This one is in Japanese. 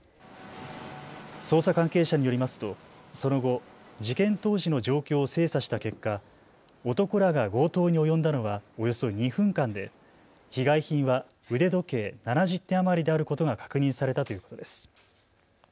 捜査関係者によりますとその後、事件当時の状況を精査した結果、男らが強盗に及んだのはおよそ２分間で被害品は腕時計７０点余りであることが確認されたということです。